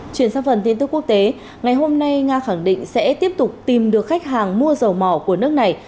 chuyển sang phần tin tức quốc tế ngày hôm nay nga khẳng định sẽ tiếp tục tìm được khách hàng mua dầu mỏ của nước này